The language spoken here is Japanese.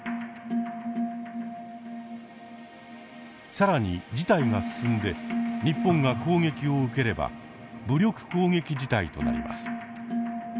更に事態が進んで日本が攻撃を受ければ「武力攻撃事態」となります。